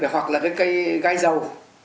hoặc là cái cây gai dầu